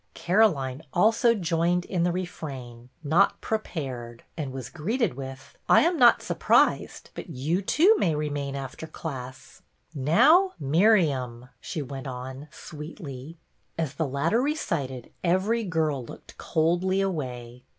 Caroline also joined in the refrain, "Not prepared," and was greeted with " I am not surprised, but you, too, may remain after class. Now, Miriam," she went on sweetly. As the latter recited every girl looked coldly away.